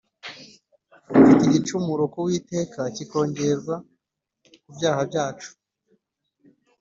Mfite igicumuro ku Uwiteka kikongerwa ku byaha byacu